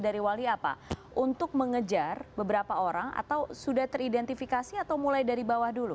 dari wali apa untuk mengejar beberapa orang atau sudah teridentifikasi atau mulai dari bawah dulu